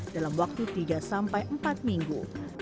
dalam waktu tiga sampai empat minggu